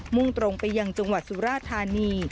่งตรงไปยังจังหวัดสุราธานี